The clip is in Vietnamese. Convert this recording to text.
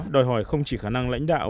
đòi hỏi không chỉ khả năng lãnh đạo